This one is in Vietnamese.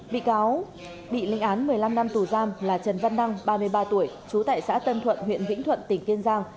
bị cáo bị linh án một mươi năm năm tù giam là trần văn đăng ba mươi ba tuổi trú tại xã tân thuận huyện vĩnh thuận tỉnh kiên giang